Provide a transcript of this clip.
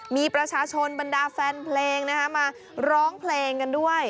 มีประชาชนบรรดาแฟนเพลงมาร้องเพลงกันด้วย